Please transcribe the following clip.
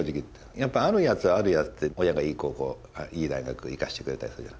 やっぱあるやつはあるやつで親がいい高校いい大学行かせてくれたりするじゃん。